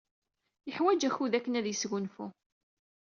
Yeḥwaj akud akken ad yesgunfu.